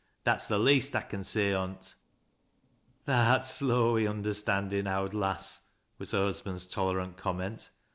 That's the least Ian say on't." " Tha'rt slow i' understandin', owd lass," was her hus band's tolerant comment.